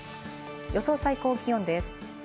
予想最高気温です。